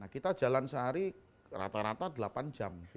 kita jalan sehari rata rata delapan jam